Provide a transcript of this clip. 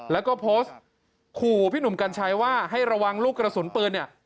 แล้วก็โพสต์ขู่พี่หนุ่มกัญชัยว่าให้ระวังลูกกระสุนปืนเนี่ย